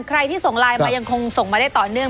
ใครที่ส่งไลน์มายังคงส่งมาได้ต่อเนื่อง